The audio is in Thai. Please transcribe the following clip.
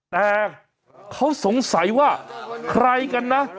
แต่เขาสงสัยว่าใครกันนะ